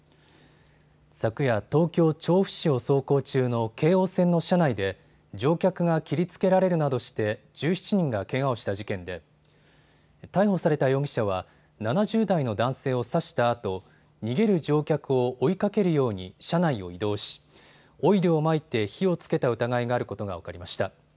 昨夜、東京調布市を走行中の京王線の車内で乗客が切りつけられるなどして１７人がけがをした事件で逮捕された容疑者は７０代の男性を刺したあと逃げる乗客を追いかけるように車内を移動しオイルをまいて火をつけた疑いがあることが分かりました。